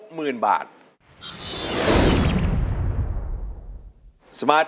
ทั้งในเรื่องของการทำงานเคยทำนานแล้วเกิดปัญหาน้อย